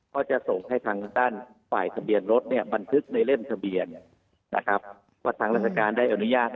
พอจะส่งให้พังตั้นฝ่ายสะเบียนรถบันทึกในเล่นสะเบียน